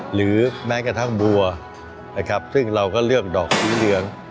หรือแม้กระทั่งบัวนะครับซึ่งเราก็เลือกดอกสีเหลือง